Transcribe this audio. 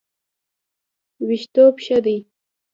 ویښتوب ښه دی.